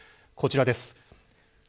こちらです。